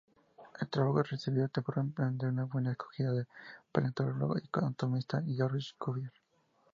El trabajo recibió tempranamente una buena acogida del paleontólogo y anatomista Georges Cuvier.